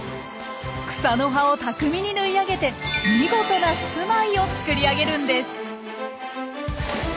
草の葉を巧みにぬい上げて見事な住まいを作り上げるんです。